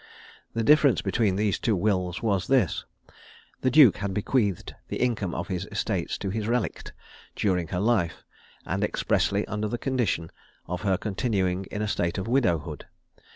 The difference between these two wills was this: the duke had bequeathed the income of his estates to his relict during her life, and expressly under condition of her continuing in a state of widowhood.